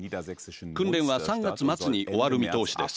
訓練は３月末に終わる見通しです。